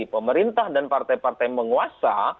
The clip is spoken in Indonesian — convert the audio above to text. pemerintah dan partai partai menguasa